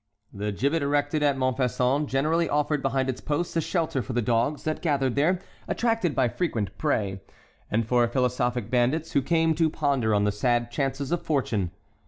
The gibbet erected at Montfaucon generally offered behind its posts a shelter for the dogs that gathered there attracted by frequent prey, and for philosophic bandits who came to ponder on the sad chances of fortune.